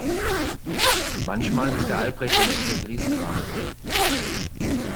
Manchmal ist Herr Albrecht ein echter Griesgram.